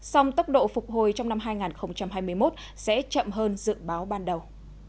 song tốc độ phục hồi trong năm hai nghìn hai mươi một sẽ chậm hơn dự báo ban đầu